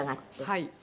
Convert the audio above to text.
はい。